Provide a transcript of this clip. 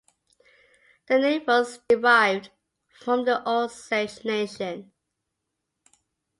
The name was derived from the Osage Nation.